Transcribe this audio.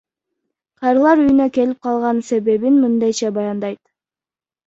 Карылар үйүнө келип калган себебин мындайча баяндайт.